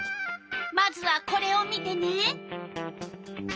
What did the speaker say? まずはこれを見てね。